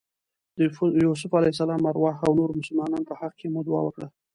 د یوسف علیه السلام ارواح او نورو مسلمانانو په حق کې مو دعا وکړه.